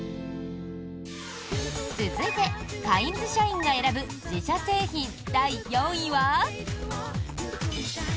続いて、カインズ社員が選ぶ自社製品第４位は。